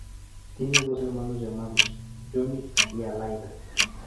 Tiene dos hermanos llamados Johnny y Alaina.